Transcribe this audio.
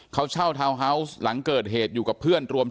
เขาเช่าทาวน์ฮาวส์หลังเกิดเหตุอยู่กับเพื่อนรวม